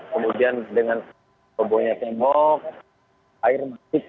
kemudian dengan robohnya tembok air masuk